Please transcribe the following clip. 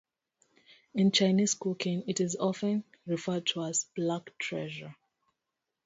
In Chinese cooking, it is often referred to as "Black Treasure".